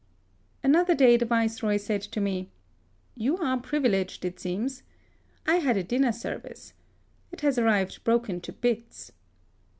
Another day the Viceroy said to me, "You are privileged, it seems. I had a dinner service. It has arrived broken to bits."